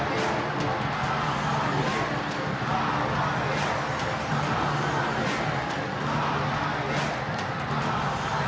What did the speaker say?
semoga sajanku wireallasih potensimu agar setelah perawatan salvite asing terus ber elle agamauffanya